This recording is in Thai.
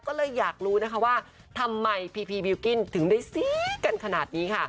ก็เลยอยากรู้นะคะว่าทำไมพีพีบิลกิ้นถึงได้ซีดกันขนาดนี้ค่ะ